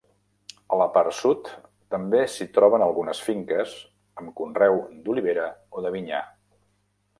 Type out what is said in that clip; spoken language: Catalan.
A la part sud, també s'hi troben algunes finques amb conreu d'olivera o de vinyar.